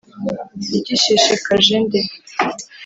ugishishikaje nde.